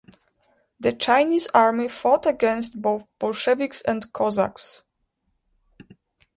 The Chinese army fought against both Bolsheviks and Cossacks.